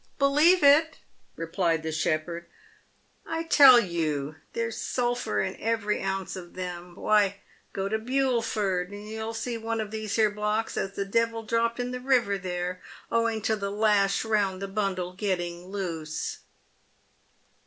" Believe it?" replied the shepherd. " I tell you there's sulphur in every ounce of them. Why, go to Bulford, and you'll see one of these here blocks as the devil dropped in the river there, owing to the lash round the bundle getting loose."